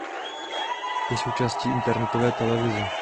Je součástí internetové televize.